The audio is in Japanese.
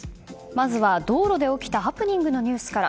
まずは道路で起きたハプニングのニュースから。